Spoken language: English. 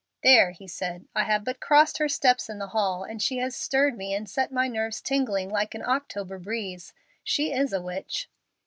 "There!" he said, "I have but crossed her steps in the hall, and she has stirred me and set my nerves tingling like an October breeze. She is a witch."